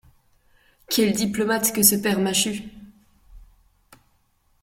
Quel diplomate que ce père Machut !